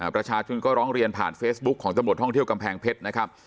ประชาชนก็ร้องเรียนผ่านเฟซบุ๊คของตำรวจท่องเที่ยวกำแพงเพชรนะครับ